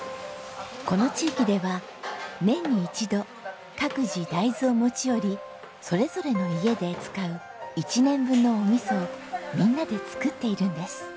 この地域では年に１度各自大豆を持ち寄りそれぞれの家で使う１年分のお味噌をみんなで作っているんです。